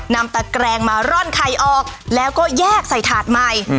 ตะแกรงมาร่อนไข่ออกแล้วก็แยกใส่ถาดใหม่